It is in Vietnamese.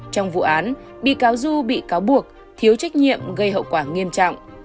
trong vụ án bị cáo du bị cáo buộc thiếu trách nhiệm gây hậu quả nghiêm trọng